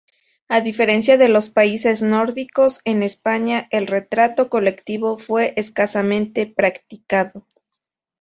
A diferencia de los países nórdicos en España el retrato colectivo fue escasamente practicado.